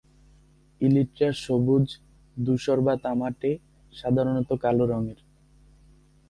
Elytra সবুজ, ধূসর বা তামাটে, সাধারণত কালো রঙের।